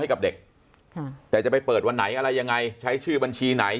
ให้กับเด็กแต่จะไปเปิดวันไหนอะไรยังไงใช้ชื่อบัญชีไหน